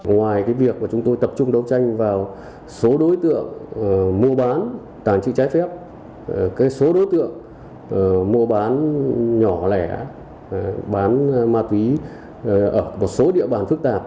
ngoài việc chúng tôi tập trung đấu tranh vào số đối tượng mua bán tàng trự trái phép số đối tượng mua bán nhỏ lẻ bán ma túy ở một số địa bàn phức tạp